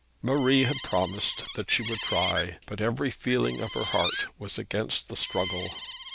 Marie had promised that she would try, but every feeling of her heart was against the struggle.